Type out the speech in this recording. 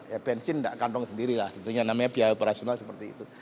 ya bensin tidak kantong sendiri lah tentunya namanya biaya operasional seperti itu